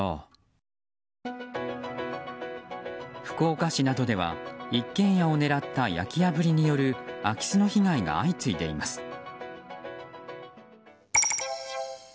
福岡市などでは一軒家を狙った焼き破りによる空き巣の被害が相次いでいます。